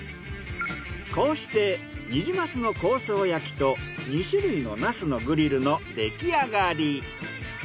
こうしてニジマスの香草焼きと２種類のナスのグリルの出来上がり。